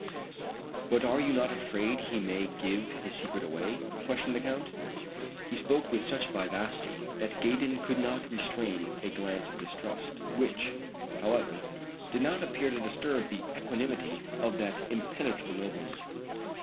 "But are you not afraid he may give his secret away?" questioned the Count. He spoke with such vivacity that Gaydon could not restrain a glance of distrust, which, however, did not appear to disturb the equanimity of that impenetrable nobleman.